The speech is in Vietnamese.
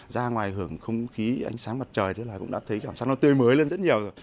ra ngoài hưởng không khí ánh sáng mặt trời thế là cũng đã thấy cảm giác nó tươi mới lên rất nhiều rồi